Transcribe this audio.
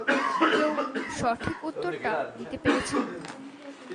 কেউ সঠিক উত্তরটা দিতে পেরেছেন?